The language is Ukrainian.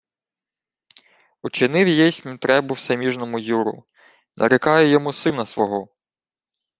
— Учинив єсмь требу всеміжному Юру. Нарікаю йому сина свого!